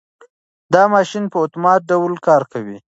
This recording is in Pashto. دا ماشین په اتومات ډول کار کوي.